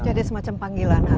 jadi semacam panggilan apa